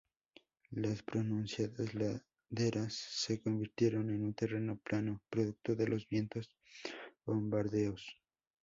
Las pronunciadas laderas se convirtieron en un terreno plano, producto de los violentos bombardeos.